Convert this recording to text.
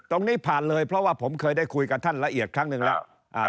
ตรงนี้ผ่านเลยเพราะว่าผมเคยได้คุยกับท่านละเอียดครั้งหนึ่งแล้ว